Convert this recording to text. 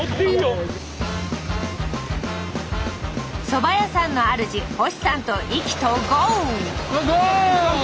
そば屋さんのあるじ星さんと意気投合！